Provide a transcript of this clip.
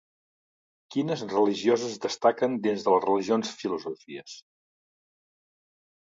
Quines religions destaquen dins de les religions-filosofies?